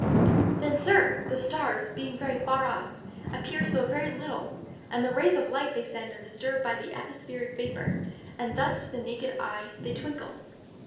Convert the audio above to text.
"Then, Sir, the stars, being so very far off, appear so very little, and the rays of light they send are disturbed by atmospheric vapor, and thus to the naked eye they twinkle."